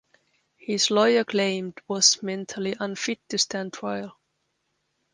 His lawyer claimed was mentally unfit to stand trial.